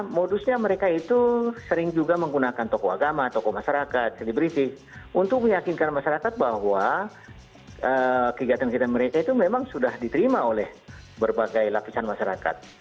modusnya mereka itu sering juga menggunakan tokoh agama tokoh masyarakat selebritis untuk meyakinkan masyarakat bahwa kegiatan kegiatan mereka itu memang sudah diterima oleh berbagai lapisan masyarakat